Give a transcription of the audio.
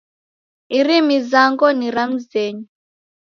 Iri mizango ni ra mzenyu